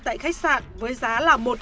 tại khách sạn với giá là một